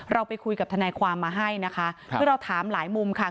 เราไปคุยกับทนายความมาให้นะคะคือเราถามหลายมุมค่ะ